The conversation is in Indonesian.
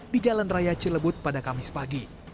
di jalan raya cilebut pada kamis pagi